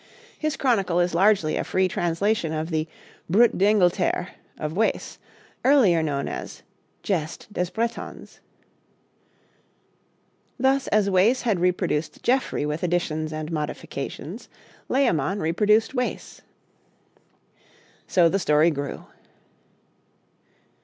His chronicle is largely a free translation of the 'Brut d'Engleterre' of Wace, earlier known as 'Geste des Bretons.' Thus as Wace had reproduced Geoffrey with additions and modifications, Layamon reproduced Wace. So the story grew.